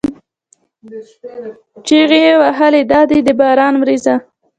چیغې یې وهلې: دا ده د باران ورېځه!